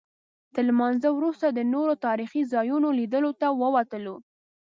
تر لمانځه وروسته د نورو تاریخي ځایونو لیدلو ته ووتلو.